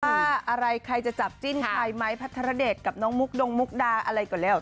อะไรใครจะจับจิ้นใครไม้พัทรเดชกับน้องมุกดงมุกดาอะไรก็แล้ว